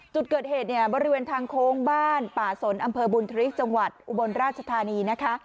จุดเกิดเหตุเนี่ยบริเวณทางโค้งบ้านป่าสนอำเภอบุญธริกจังหวัดอุบลราชธานีนะคะ